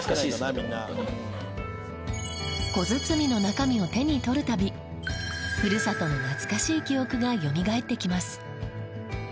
小包みの中身を手に取る度ふるさとの懐かしい記憶がよみがえってきます。